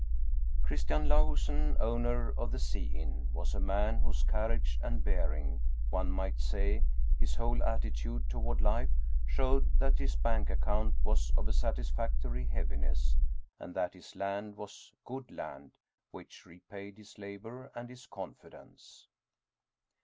Christian Lahusen, owner of the Sea Inn, was a man whose carriage and bearing, one might say his whole atti tude toward life, showed that his bank account was of a satisfactory heaviness, and that his land was good land which repaid his labor and his confidence.